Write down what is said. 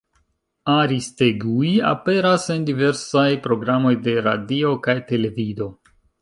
Aristegui aperas en diversaj programoj de radio kaj televido.